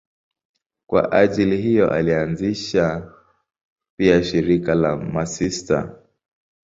Kwa ajili hiyo alianzisha pia shirika la masista.